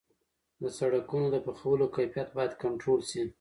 د سرکونو د پخولو کیفیت باید کنټرول شي.